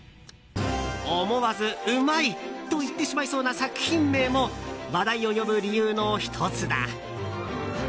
思わず、うまい！と言ってしまいそうな作品名も話題を呼ぶ理由の１つだ。